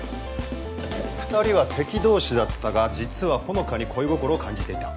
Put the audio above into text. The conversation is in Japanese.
２人は敵同士だったが実はほのかに恋心を感じていた。